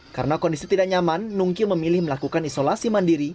karena kondisi tidak nyaman nungki memilih melakukan isolasi mandiri